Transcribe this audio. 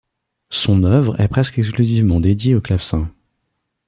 Son œuvre est presque exclusivement dédiée au clavecin.